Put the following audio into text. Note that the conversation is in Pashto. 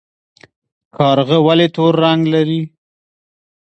کارغه ولې تور رنګ لري؟